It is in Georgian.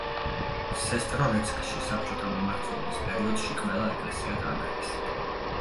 სესტრორეცკში საბჭოთა მმართველობის პერიოდში ყველა ეკლესია დაანგრიეს.